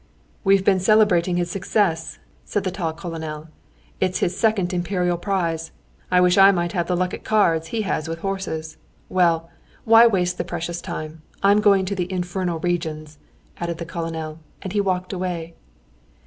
"We've been celebrating his success," said the tall colonel. "It's his second Imperial prize. I wish I might have the luck at cards he has with horses. Well, why waste the precious time? I'm going to the 'infernal regions,'" added the colonel, and he walked away.